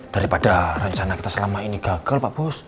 daripada rencana kita selama ini gagal pak bus